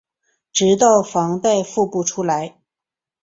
直到房贷付不出来